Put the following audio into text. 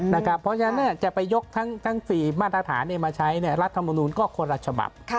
เพราะฉะนั้นจะไปยกทั้ง๔มาตรฐานมาใช้รัฐมนุนก็คนละฉบับ